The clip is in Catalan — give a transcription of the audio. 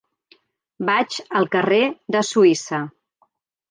Vaig al carrer de Suïssa.